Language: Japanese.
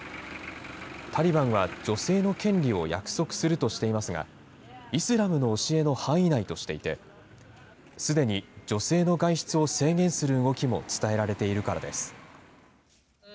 タリバンは女性の権利を約束するとしていますが、イスラムの教えの範囲内としていて、すでに女性の外出を制限する動きも伝えられているからです。